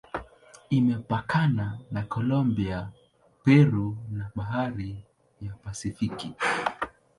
Imepakana na Kolombia, Peru na Bahari ya Pasifiki.